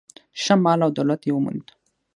ښه مال او دولت یې وموند.